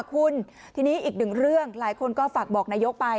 คุณทีนี้อีกหนึ่งเรื่องหลายคนก็ฝากบอกนายกไป